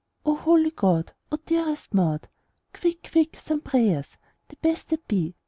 "O holy God! O dearest Maud, Quick, quick, some prayers, the best that be!